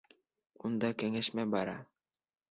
Унда кәңәшмә бара.